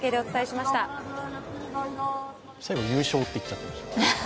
最後、優勝って言っちゃいましたね。